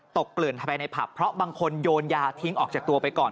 เกลื่อนเข้าไปในผับเพราะบางคนโยนยาทิ้งออกจากตัวไปก่อน